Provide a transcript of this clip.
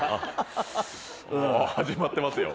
始まってますよ。